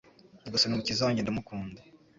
Nyagasani mukiza wanjye ndamukunda